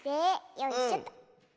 よいしょと。